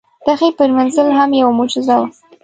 د هغې پرېمنځل هم یوه معجزه وه.